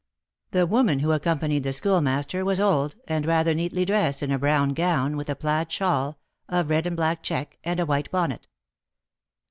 The woman who accompanied the Schoolmaster was old, and rather neatly dressed in a brown gown, with a plaid shawl, of red and black check, and a white bonnet.